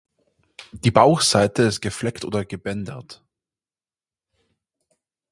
Die Bauchseite ist gefleckt oder gebändert.